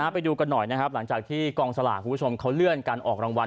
ไปดูกันหน่อยนะครับหลังจากที่กองสลากคุณผู้ชมเขาเลื่อนการออกรางวัล